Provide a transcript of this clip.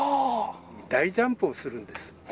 大ジャンプをするんです。